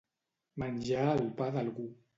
Menjar el pa d'algú.